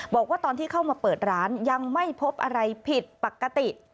บอกว่าตอนที่เข้ามาเปิดร้านยังไม่พบอะไรผิดปกติ